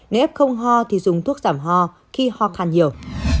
nếu f ho thì dùng thuốc giảm ho khi ho khăn nhiều